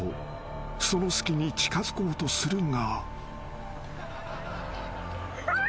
［その隙に近づこうとするが］